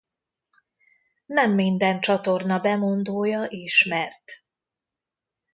Nem minden csatorna bemondója ismert.